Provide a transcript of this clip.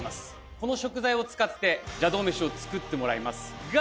この食材を使って邪道メシを作ってもらいますが！